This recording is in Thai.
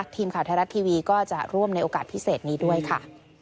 ทีมข่าวไทยรัฐทีวีก็จะร่วมในโอกาสพิเศษนี้ด้วยค่ะ